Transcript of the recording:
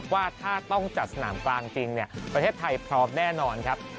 ว่าถ้าต้องจัดสนามกลางจริงประเทศไทยพร้อมแน่นอนครับ